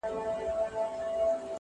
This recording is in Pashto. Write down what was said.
خو له دې بې شرفۍ سره په جنګ یم-